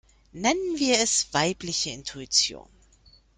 Nennen wir es weibliche Intuition.